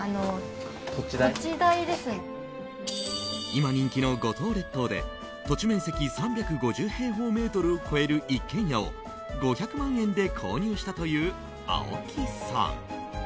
今、人気の五島列島で土地面積３５０平方メートルを超える一軒家を５００万円で購入したという青木さん。